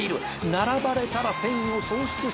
「並ばれたら戦意を喪失してしまう」